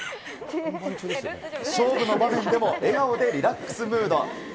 勝負の場面でも笑顔でリラックスムード。